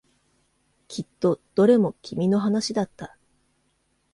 きっとどれも君の話だった。